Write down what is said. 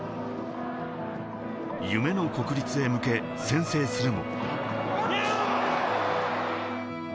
夢の国立へ向け先制するも。